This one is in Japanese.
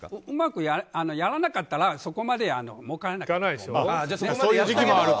うまくやらなかったらそこまで、もうからないです。